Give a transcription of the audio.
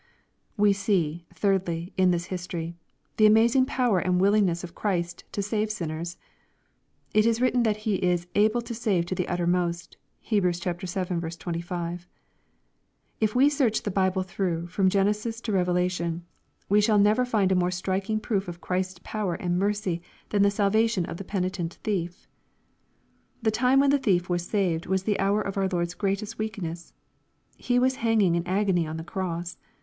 We see, thirdly, in this history, the amazing potoer and willingness of Christ to save sinners. It is written that He is " able to save to the uttermost." (Heb. vii 25.) If we search the Bible through, from Genesjs to Bevelation, we shall never find a more striking proof of Christ's power and mercy than the salvation of the pen itent thief. The time when the thief was saved was the hour of our Lord's greatest weakness. He was hanging in agony on the cross.